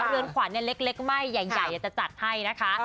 เรือนขวัญเนี่ยเล็กไม่ใหญ่จะจัดให้นะคะ